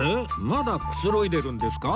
まだくつろいでるんですか？